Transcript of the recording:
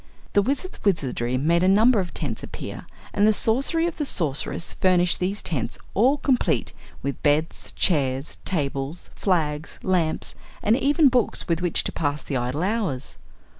The Wizard's wizardry made a number of tents appear and the sorcery of the Sorceress furnished these tents all complete, with beds, chairs, tables, flags, lamps and even books with which to pass idle hours.